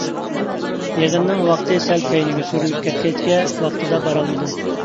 يىغىننىڭ ۋاقتى سەل كەينىگە سۈرۈلۈپ كەتكەچكە، ۋاقتىدا بارالمىدىم.